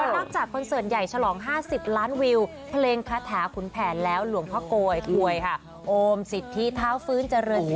นอกจากคอนเสิร์ตใหญ่ฉลอง๕๐ล้านวิวเพลงคาถาขุนแผนแล้วหลวงพ่อโกยอวยค่ะโอมสิทธิเท้าฟื้นเจริญ